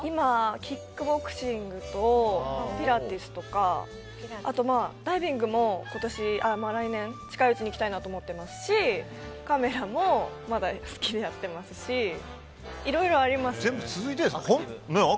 キックボクシングとピラティスとかあとダイビングも来年近いうちにやりたいなと思っていますしカメラもまだ好きでやっていますし全部続いてるんですか？